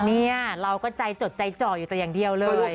เนี่ยเราก็ใจจดใจจ่ออยู่แต่อย่างเดียวเลย